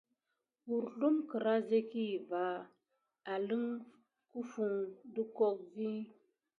Hurzlum kécra ziki vaŋ élinkə kufon ɗe tokgue vin.